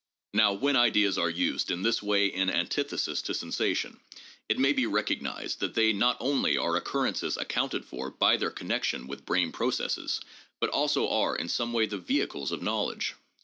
Now, when ideas are used in this way in antithesis to sensation, it may be recognized that they not only are occurrences accounted for by their connection with brain processes, but also are in some way the vehicles of knowledge.